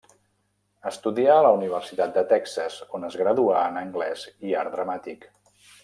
Estudià a la Universitat de Texas, on es graduà en anglès i art dramàtic.